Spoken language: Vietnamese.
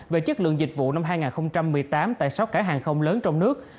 về chất lượng dịch vụ năm hai nghìn một mươi tám tại sáu cả hàng không lớn trong nước